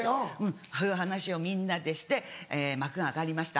そういう話をみんなでして幕が上がりました。